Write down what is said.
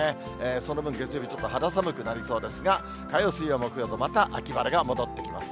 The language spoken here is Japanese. その分、月曜日、ちょっと肌寒くなりそうですが、火曜、水曜、木曜と、また秋晴れが戻ってきます。